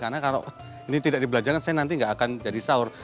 karena kalau ini tidak dibelanjakan saya nanti nggak akan jadi sahur